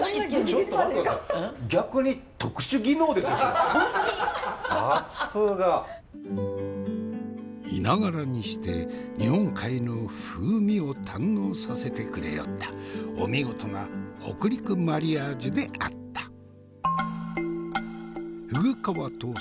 さすが。居ながらにして日本海の風味を堪能させてくれよったお見事な北陸マリアージュであった。